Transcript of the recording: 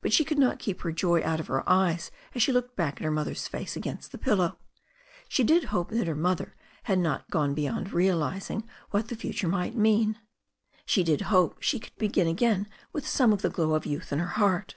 But she could not keep her joy out of her eyei as she looked back at her mother's face against the pillow. She did hope that her mother had not got beyond realixisc 420 THE STORY OF A NEW ZEALAND RIVER what the future might mean. She did hope she could begin again with some of the glow of youth in her heart.